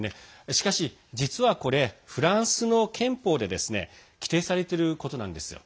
しかし、実はこれフランスの憲法でですね規定されてることなんですよ。